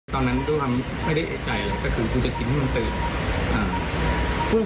ตอนนั้นดูทำไม่ได้ใจเลยก็คือกูจะกินให้มันตื่นอ่า